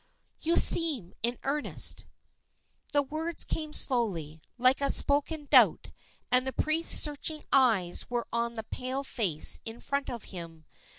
"You seem in earnest." The words came slowly, like a spoken doubt, and the priest's searching eyes were on the pale face in front of him.